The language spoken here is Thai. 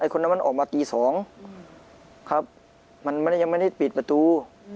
คนนั้นมันออกมาตี๒ครับมันยังไม่ได้ปิดประตู